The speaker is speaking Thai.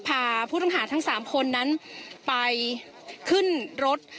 พาผู้ต้องหาทั้ง๓คนนั้นไปขึ้นรถ